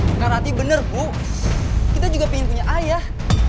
enggak ratih bener bu kita juga pengen punya ayah